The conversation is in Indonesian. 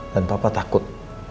dan papa takut